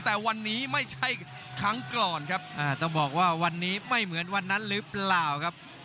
แต่วันนี้ไม่ใช่ครั้งก่อนครับต้องบอกว่าวันนี้ไม่เหมือนวันนั้นหรือเปล่าครับ